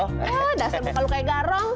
eh dasar muka lo kayak garong